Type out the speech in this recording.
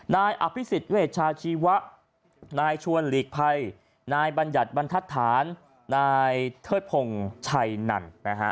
นายอภิษฎเวชาชีวะนายชวนหลีกภัยนายบัญญัติบรรทัศน์นายเทิดพงศ์ชัยนันนะฮะ